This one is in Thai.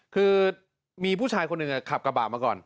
คือมีผู้ชายคนหนึ่งขับกระบะมาก่อน